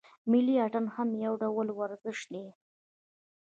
ملي اتڼ هم یو ډول ورزش دی.